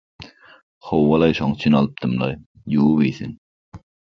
– Hawa-laý, şoň üçin alypdym-laý. Ýuwup iýsin.